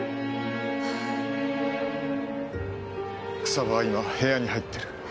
草葉は今部屋に入ってる。